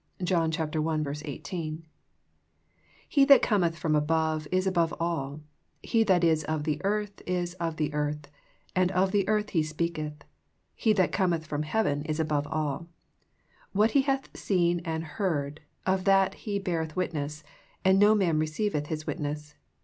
^' —John 1 : 18. "^e that comethfrom above is above all; he that is of the earth is of the earth, and of the earth he speaketh : He that cometh from heaven is above all. What He hath seen and heard, of that He beareth witness ; and no man receiveth His witness.